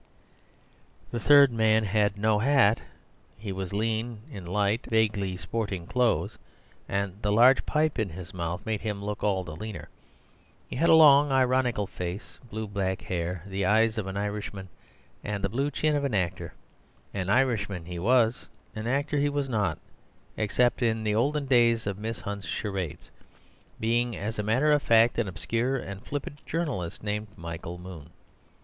The third man had no hat; he was lean, in light, vaguely sporting clothes, and the large pipe in his mouth made him look all the leaner. He had a long ironical face, blue black hair, the blue eyes of an Irishman, and the blue chin of an actor. An Irishman he was, an actor he was not, except in the old days of Miss Hunt's charades, being, as a matter of fact, an obscure and flippant journalist named Michael Moon.